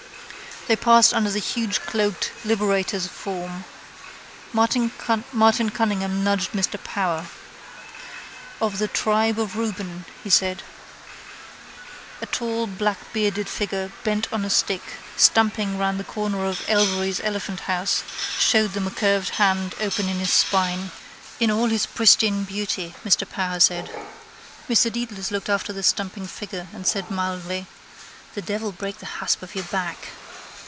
They passed under the hugecloaked Liberator's form. Martin Cunningham nudged Mr Power. —Of the tribe of Reuben, he said. A tall blackbearded figure, bent on a stick, stumping round the corner of Elvery's Elephant house, showed them a curved hand open on his spine. —In all his pristine beauty, Mr Power said. Mr Dedalus looked after the stumping figure and said mildly: —The devil break the hasp of your back!